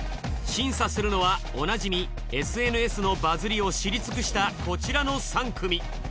審査するのはおなじみＳＮＳのバズりを知り尽くしたこちらの３組。